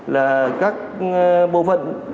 là các bộ phận